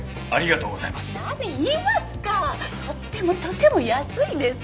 とってもとても安いです。